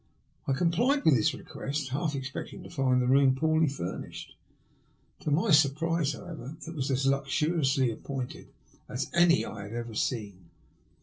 I complied with his request, half expecting to find the room poorly furnished. To my surprise, however, it was as luxuriously appointed as any I had ever seen.